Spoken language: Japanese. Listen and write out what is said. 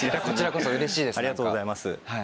こちらこそうれしいです。